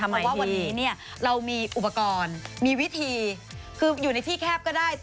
เพราะว่าวันนี้เรามีอุปกรณ์มีวิธีคืออยู่ในที่แคบก็ได้